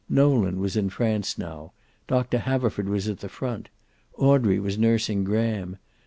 Nolan was in France now. Doctor Haverford was at the front. Audrey was nursing Graham.